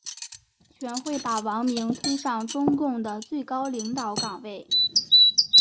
全会把王明推上中共的最高领导岗位。